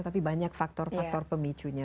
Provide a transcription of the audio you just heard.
tapi banyak faktor faktor pemicunya